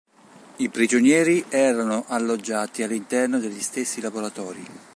I prigionieri erano alloggiati all'interno degli stessi laboratori.